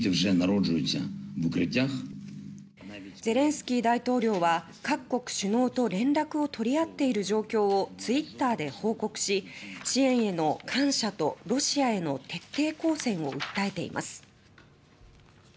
ゼレンスキー大統領は各国首脳と連絡を取り合っている状況をツイッターで報告し支援への感謝とロシアへの徹底抗戦を訴えています。